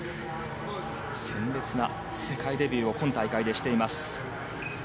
鮮烈な世界デビューを今大会でしています。